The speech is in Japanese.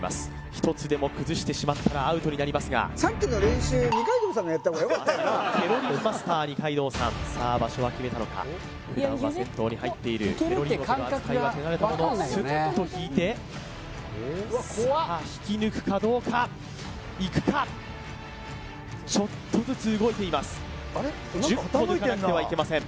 １つでも崩してしまったらアウトになりますがさっきのケロリンマスター二階堂さんさあ場所は決めたのか普段は銭湯に入っているケロリン桶の扱いは手慣れたものすっと引いてさあ引き抜くかどうかいくかちょっとずつ動いています１０個抜かなくてはいけません